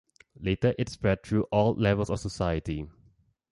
Later it spread through all levels of society.